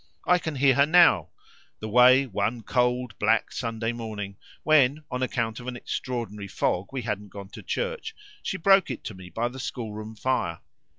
I can hear her now the way, one cold black Sunday morning when, on account of an extraordinary fog, we hadn't gone to church, she broke it to me by the school room fire.